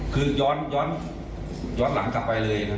คือย้อนหลังกลับไปเลยนะ